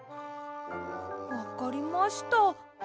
わかりました。